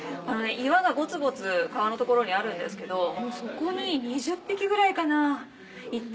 岩がゴツゴツ川の所にあるんですけどそこに２０匹ぐらいかないて。